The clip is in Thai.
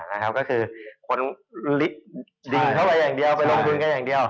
อ่านะครับก็คือคนดิงเข้าไปอย่างเดียวไปลงทุนกันอย่างเดียว